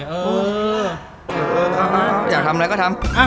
ได้ครับอยากทำอะไรก็ทำ